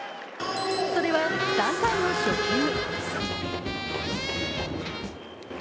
それは３回の初球。